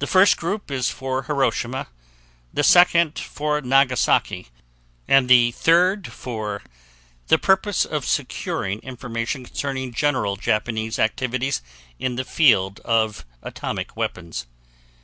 THE FIRST GROUP IS FOR HIROSHIMA, THE SECOND FOR NAGASAKI, AND THE THIRD FOR THE PURPOSE OF SECURING INFORMATION CONCERNING GENERAL JAPANESE ACTIVITIES IN THE FIELD OF ATOMIC WEAPONS.